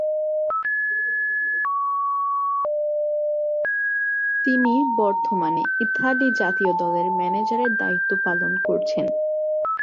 তিনি বর্তমানে ইতালি জাতীয় দলের ম্যানেজারের দায়িত্ব পালন করছেন।